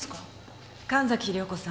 神崎涼子さん